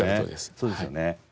そうですよね。